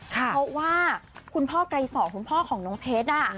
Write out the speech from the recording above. เพราะว่าคุณพ่อไกรสอนคุณพ่อของน้องเพชร